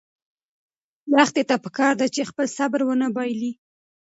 لښتې ته پکار ده چې خپل صبر ونه بایلي.